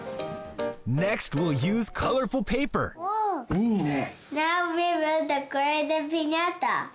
いいね！